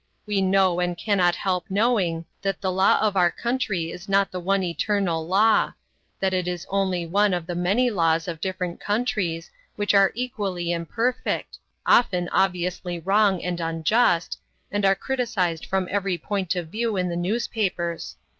we know and cannot help knowing that the law of our country is not the one eternal law; that it is only one of the many laws of different countries, which are equally imperfect, often obviously wrong and unjust, and are criticised from every point of view in the newspapers.